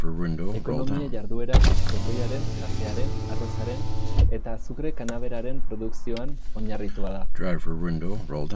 Ekonomia-jarduera kotoiaren, kafearen, arrozaren eta azukre-kanaberaren produkzioan oinarritua da.